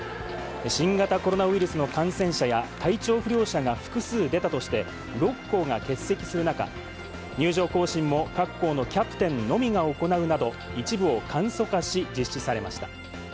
新型コロナウイルスの感染者や体調不良者が複数出たとして、６校が欠席する中、入場行進も各校のキャプテンのみが行うなど、一部を簡素化し、実施されました。